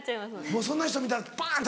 もうそんな人見たらパン！